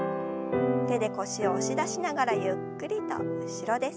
手で腰を押し出しながらゆっくりと後ろです。